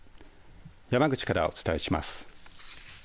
山口からお伝えします。